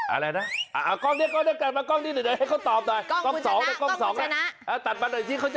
อะไรนะฮากล้องนี่กล้องนี่กล้องนี่หากล้องทางเนี่ย